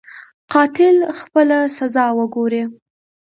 قاتل خپله سزا وګوري.